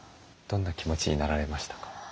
どんな気持ちになられましたか？